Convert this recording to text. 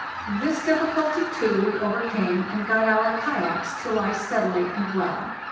This difficulty, too, we overcame, and got our kayaks to lie steadily and well.